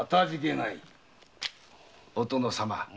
お殿様。